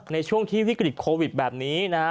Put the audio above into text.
ในช่วงที่วิกฤตโควิดแบบนี้นะฮะ